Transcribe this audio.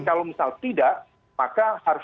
kalau misal tidak maka harus